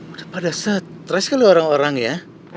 udah pada stres kali orang orang ya